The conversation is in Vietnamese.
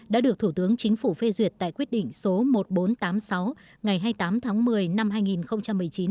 đã được thủ tướng chính phủ phê duyệt tại quyết định số một nghìn bốn trăm tám mươi sáu ngày hai mươi tám tháng một mươi năm hai nghìn một mươi chín